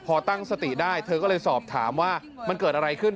พอตั้งสติได้เธอก็เลยสอบถามว่ามันเกิดอะไรขึ้น